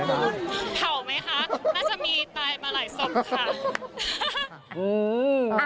เผาไหมคะน่าจะมีตายมาหลายศพค่ะ